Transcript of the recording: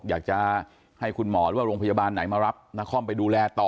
อยากจะให้คุณหมอหรือว่าโรงพยาบาลไหนมารับนครไปดูแลต่อ